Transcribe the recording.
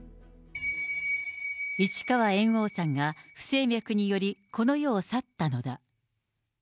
市川猿翁さんが不整脈により、この世を去ったのだ。